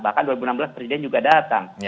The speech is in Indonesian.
bahkan dua ribu enam belas presiden juga datang